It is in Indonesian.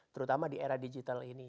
terutama di era digital ini